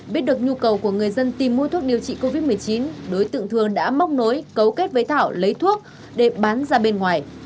biết được nhu cầu của người dân tìm mua thuốc điều trị covid một mươi chín đối tượng thường đã móc nối cấu kết với thảo lấy thuốc để bán ra bên ngoài